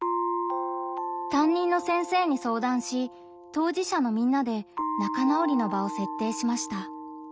担任の先生に相談し当事者のみんなで仲直りの場を設定しました。